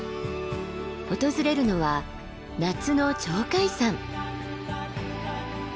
訪れるのは夏の鳥海山。